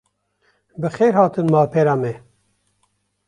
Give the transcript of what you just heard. Bi xêr hatin malpera me